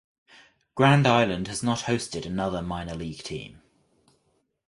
Grand Island has not hosted another minor league team.